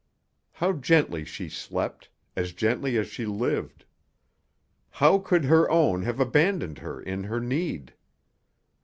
How gently she slept as gently as she lived. How could her own have abandoned her in her need?